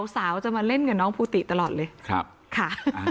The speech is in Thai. สาวจะมาเล่นกับน้องภูติตลอดเลยครับค่ะ